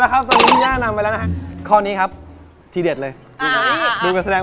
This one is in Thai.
ถูกต้องค่ะไม่ต้องขยี่อะไรเยอะตัดหมดตัดหมด